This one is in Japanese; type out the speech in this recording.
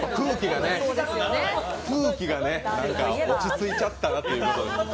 空気がね、落ち着いちゃったなという感じ。